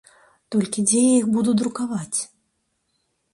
Толькі дзе я іх буду друкаваць?